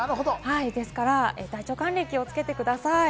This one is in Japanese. ですから体調管理、気をつけてください。